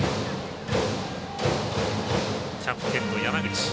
キャプテンの山口。